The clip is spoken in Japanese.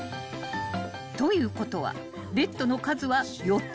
［ということはベッドの数は４つ］